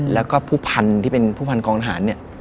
แล้วก็ผู้พันธ์ที่เป็นผู้พันธ์กองทหาร